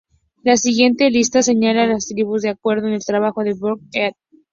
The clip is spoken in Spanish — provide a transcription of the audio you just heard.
La siguiente lista señala las tribus de acuerdo al trabajo de Bouchard "et al.